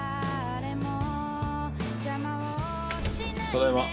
ただいま。